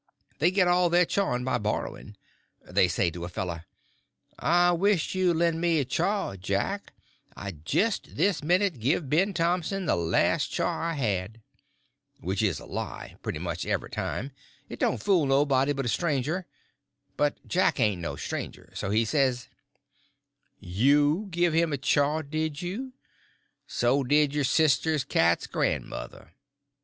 They get all their chawing by borrowing; they say to a fellow, "I wisht you'd len' me a chaw, Jack, I jist this minute give Ben Thompson the last chaw I had"—which is a lie pretty much everytime; it don't fool nobody but a stranger; but Jack ain't no stranger, so he says: "You give him a chaw, did you? So did your sister's cat's grandmother.